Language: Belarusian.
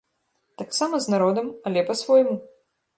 Таксама з народам, але па-свойму!